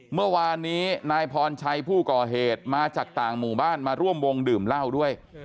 เมื่อวานนี้นายพรชัยผู้ก่อเหตุมาจากต่างหมู่บ้านมาร่วมวงดื่มเหล้าด้วย